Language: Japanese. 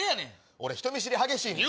俺人見知り激しいねん。